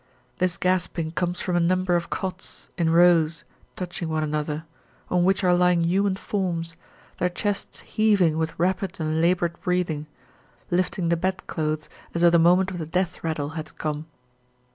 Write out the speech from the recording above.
This gasping comes from a number of cots, in rows, touching one another, on which are lying human forms, their chests heaving with rapid and laboured breathing, lifting the bedclothes as though the moment of the death rattle had come.